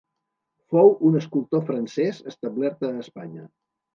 Fou un escultor francès, establert a Espanya.